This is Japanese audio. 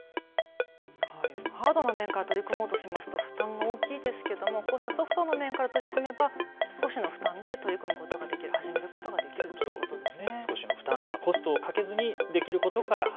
ハードの面から取り組もうとしますと負担が大きいですけどもこうしたソフトの面から取り組めば少しの負担で取り組むことができる、始めることができるということですね。